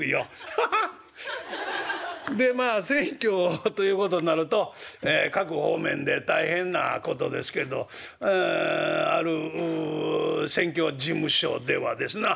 ハハッ。でまあ選挙ということになると各方面で大変なことですけどえある選挙事務所ではですな